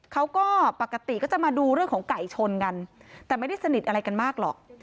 เขาก็ปกติก็จะมาดูเรื่องของไก่ชนกันแต่ไม่ได้สนิทอะไรกันมากหรอก